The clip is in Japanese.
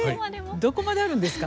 どこまであるんですか。